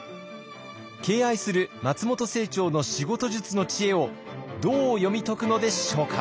敬愛する松本清張の仕事術の知恵をどう読み解くのでしょうか。